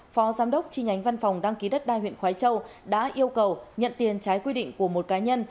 phó giám đốc chi nhánh văn phòng đăng ký đất đai huyện khói châu đã yêu cầu nhận tiền trái quy định của một cá nhân